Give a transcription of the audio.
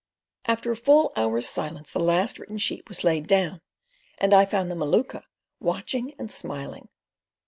After a full hour's silence the last written sheet was laid down, and I found the Maluka watching and smiling.